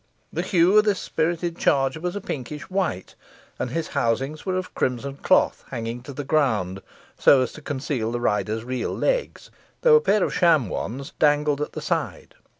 The hue of this, spirited charger was a pinkish white, and his housings were of crimson cloth hanging to the ground, so as to conceal the rider's real legs, though a pair of sham ones dangled at the side.